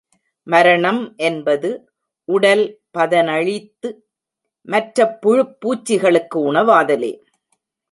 மரணம் என்பது உடல் பதனழித்து மற்றப் புழுப் பூச்சிகளுக்கு உணவாதலே.